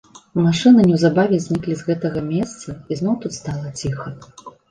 Машыны неўзабаве зніклі з гэтага месца, і зноў тут стала ціха.